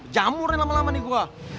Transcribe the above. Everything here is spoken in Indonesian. jamurnya lama lama nih gue